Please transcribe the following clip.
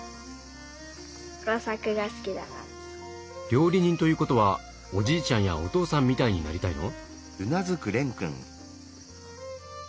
料理人ということはおじいちゃんやお父さんみたいになりたいの？